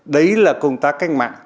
đấy là công tác canh mạng